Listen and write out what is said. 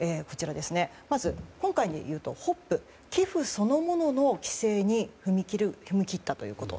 まず、今回でいうとホップ寄付そのものの規制に踏み切ったということ。